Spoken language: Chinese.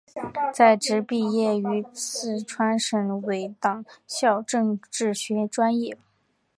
在职毕业于四川省委党校政治学专业。